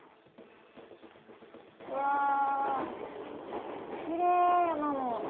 うわ、きれい、山も。